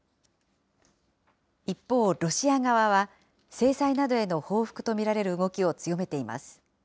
一方、ロシア側は制裁などへの報復と見られる動きを強めています。